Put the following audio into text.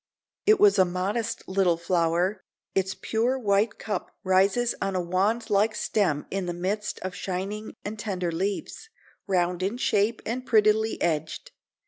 It was a modest little flower; its pure white cup rises on a wand like stem in the midst of shining and tender leaves, round in shape and prettily edged.